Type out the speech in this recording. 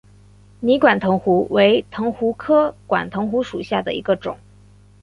泥管藤壶为藤壶科管藤壶属下的一个种。